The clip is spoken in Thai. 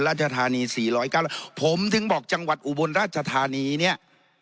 ราชธานี๔๐๙ผมถึงบอกจังหวัดอุบลราชธานีเนี่ย